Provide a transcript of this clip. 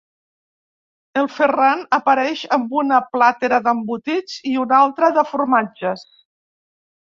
El Ferran apareix amb una plàtera d'embotits i una altra de formatges.